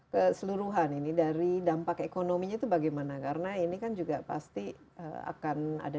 keseluruhan ini dari dampak ekonominya itu bagaimana karena ini kan juga pasti akan ada